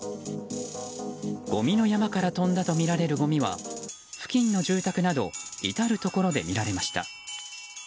ごみの山から飛んだとみられるごみは付近の住宅など至るところで見られました。